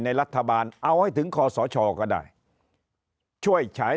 ในรัฐบาลเอาให้ถึงคอสชก็ได้ช่วยฉาย